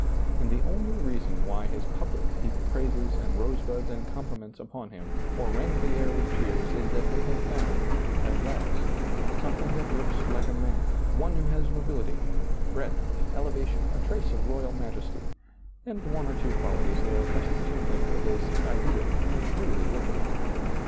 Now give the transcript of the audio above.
And the only reason why his public heap praises and rosebuds and compliments upon him or rend the air with cheers is that they have found, at last, something that looks like a man, one who has nobility, breadth, elevation, a trace of royal majesty, and one or two qualities they are accustomed to think of as ideal and really worshipful.